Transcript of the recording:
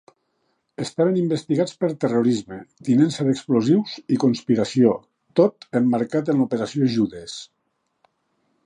Estaven investigats per terrorisme, tinença d'explosius i conspiració, tot emmarcat en l'operació Judes.